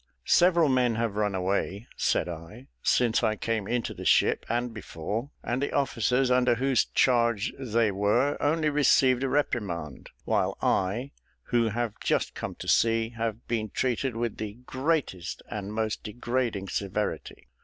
"Several men have run away," said I, "since I came into the ship and before, and the officers under whose charge they were only received a reprimand, while I, who have just come to sea, have been treated with the greatest and most degrading severity."